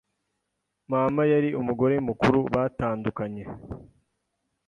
mama yari umugore mukuru batandukanye